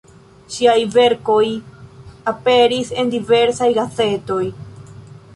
Ŝiaj verkoj aperis en diversaj gazetoj.